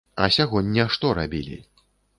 А сягоння што рабілі?